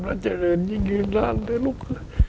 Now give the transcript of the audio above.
และเจริญยิ่งอีกนานเลยลูก